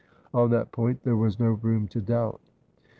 On that point there was no room to doubt.